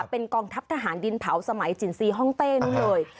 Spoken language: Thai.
เป็นกองทัพทหารดินเผาสมัยจินซีห้องเต้นู้นเลย